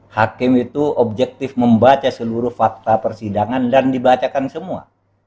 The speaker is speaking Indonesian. hakim itu objektif membaca seluruh fakta persidangan dan dibacakan semua